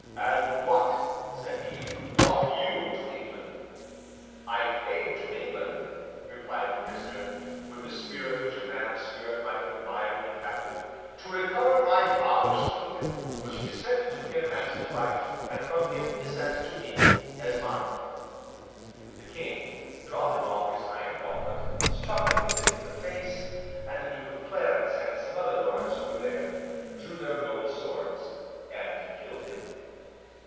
'And what,' said he, 'brought you to England?' 'I came to England,' replied the prisoner, with a spirit which a man of spirit might have admired in a captive, 'to recover my father's kingdom, which descended to him as his right, and from him descends to me, as mine.' The King, drawing off his iron gauntlet, struck him with it in the face; and the Duke of Clarence and some other lords, who were there, drew their noble swords, and killed him.